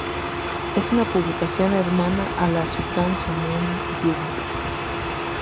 Es una publicación hermana a la "Shūkan Shōnen Jump".